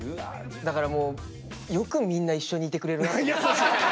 だからもうよくみんな一緒にいてくれるなと。